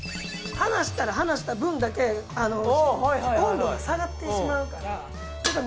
離したら離した分だけ温度が下がってしまうからだから